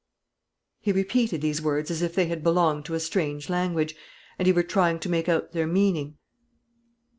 He repeated these words as if they had belonged to a strange language, and he were trying to make out their meaning.